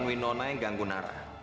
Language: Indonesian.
bukan winona yang ganggu nara